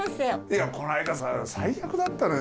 いやこの間さ最悪だったのよ。